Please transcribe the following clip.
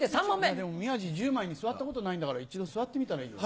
でも宮治１０枚に座ったことないんだから一度座ってみたらいいよ。